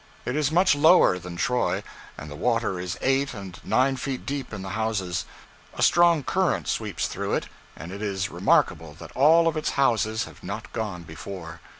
It is much lower than Troy, and the water is eight and nine feet deep in the houses. A strong current sweeps through it, and it is remarkable that all of its houses have not gone before.